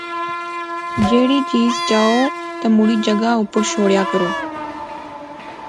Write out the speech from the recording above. جیہری چیز چاَئو تے موڑی جغہ اوپر شوڑیا کرو